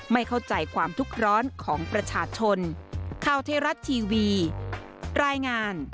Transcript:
ไม่เข้าใจความทุกข์ร้อนของประชาชน